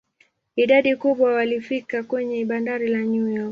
Idadi kubwa walifika kwenye bandari la New York.